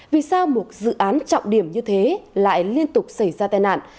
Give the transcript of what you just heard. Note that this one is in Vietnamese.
vì sao một dự án trọng điểm như thế lại liên tục xảy ra tai nạn